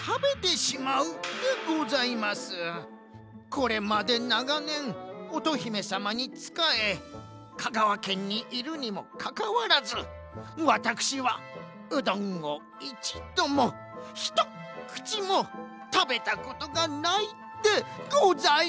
これまでながねん乙姫さまにつかえ香川県にいるにもかかわらずワタクシはうどんをいちどもひとっくちもたべたことがないでございます！